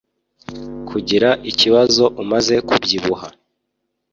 kugira ikibazo umaze kubyibuha.